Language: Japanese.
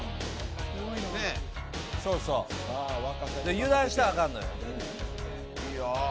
油断したらあかんのよ。